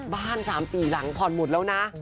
๓๔หลังผ่อนหมดแล้วนะ